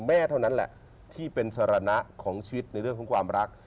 แม่เท่านั้นแหละที่เป็นสารณะของชีวิตในเรื่องของความรัก